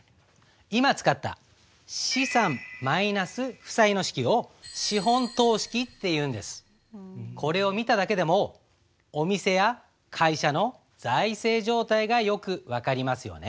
今使った「資産ー負債」の式をこれを見ただけでもお店や会社の財政状態がよく分かりますよね。